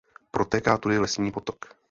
Protéká tudy Lesní potok.